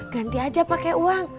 ganti aja pakai uang